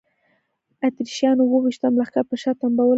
اتریشیانو اوه ویشتم لښکر په شا تنبولی دی.